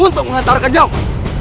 untuk mengantarkan jawaban